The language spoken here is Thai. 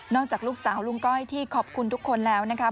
จากลูกสาวลุงก้อยที่ขอบคุณทุกคนแล้วนะคะ